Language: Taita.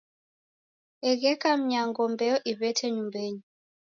Egheka mnyango mbeo iw'ete nyumbenyi